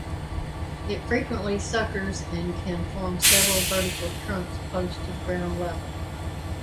It frequently suckers and can form several vertical trunks close to ground level.